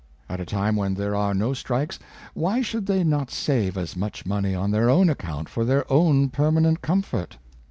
At a time when there are no strikes, why should they not save as much money on their own account for their own per manent comfort